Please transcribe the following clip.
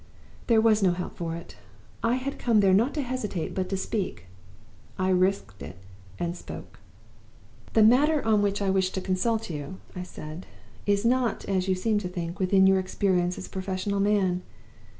"There was no help for it; I had come there not to hesitate, but to speak. I risked it, and spoke. "'The matter on which I wish to consult you,' I said, 'is not (as you seem to think) within your experience as a professional man.